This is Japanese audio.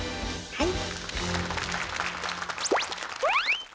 はい！